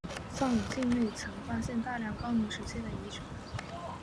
巴尔藏境内曾发现大量高卢时期的遗址。